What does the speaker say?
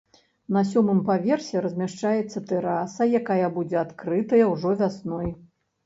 На сёмым паверсе размяшчаецца тэраса, якая будзе адкрытая ўжо вясной.